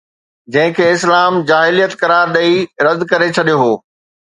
جنهن کي اسلام جاهليت قرار ڏئي رد ڪري ڇڏيو هو.